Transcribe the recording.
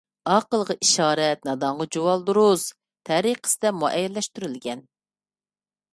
ئاقىلغا ئىشارەت نادانغا جۇۋالدۇرۇز تەرىقىسىدە مۇئەييەنلەشتۈرۈلگەن.